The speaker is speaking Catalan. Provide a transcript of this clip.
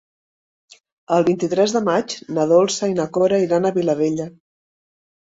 El vint-i-tres de maig na Dolça i na Cora iran a Vilabella.